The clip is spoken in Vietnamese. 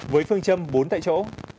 với phương châm bốn tại chỗ